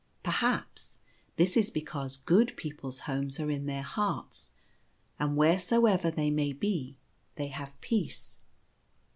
Perhaps this is because good people's homes are in their hearts ; and wheresoever they may be they have peace.